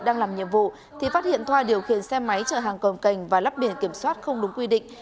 đang làm nhiệm vụ thì phát hiện thoa điều khiển xe máy chở hàng cồng cành và lắp biển kiểm soát không đúng quy định